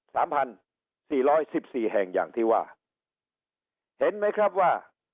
สามพันสี่ร้อยสิบสี่แห่งอย่างที่ว่าเห็นไหมครับว่า